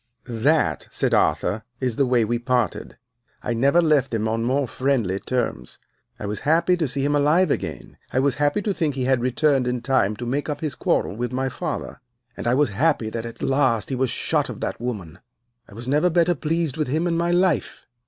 "'That,' said Arthur, 'is the way we parted. I never left him on more friendly terms. I was happy to see him alive again, I was happy to think he had returned in time to make up his quarrel with my father, and I was happy that at last he was shut of that woman. I was never better pleased with him in my life.